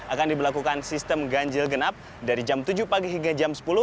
akan diberlakukan sistem ganjil genap dari jam tujuh pagi hingga jam sepuluh